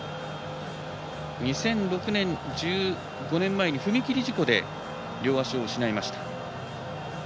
２００６年、１５年前に踏切事故で、両足を失いました。